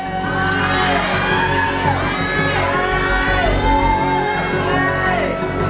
โอ้ย